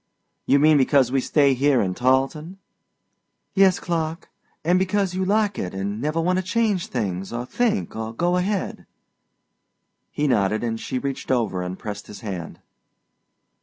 "You mean because we stay here in Tarleton?" "Yes, Clark; and because you like it and never want to change things or think or go ahead." He nodded and she reached over and pressed his hand.